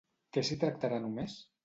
Què s'hi tractarà només?